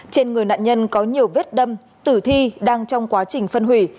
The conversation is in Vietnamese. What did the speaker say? trên người nạn nhân có nhiều vết đâm tử thi đang trong quá trình phân hủy